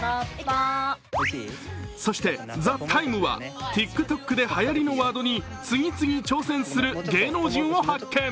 そして、「ＴＨＥＴＩＭＥ，」はＴｉｋＴｏｋではやりのワードに次々挑戦する芸能人を発見。